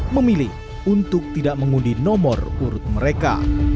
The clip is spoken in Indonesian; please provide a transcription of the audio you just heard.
memilih untuk tidak mengundi nomor urut mereka